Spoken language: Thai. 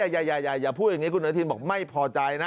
อย่าอย่าอย่าอย่าอย่าพูดอย่างนี้คุณหนุนทีนบอกไม่พอใจนะ